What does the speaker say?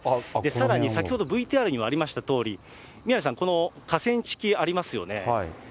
さらに先ほどＶＴＲにもありましたとおり、宮根さん、この河川敷ありますよね。